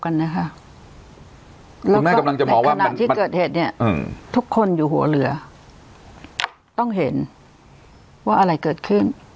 ในกณะที่เกิดเหตุเนี่ยทุกคนอยู่หัวเรือต้องเห็นว่าอะไรเกิดขึ้น